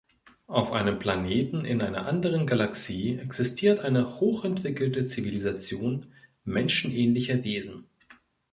Auf einem Planeten in einer anderen Galaxie existiert eine hochentwickelte Zivilisation menschenähnlicher Wesen.